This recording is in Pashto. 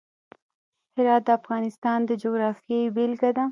هرات د افغانستان د جغرافیې بېلګه ده.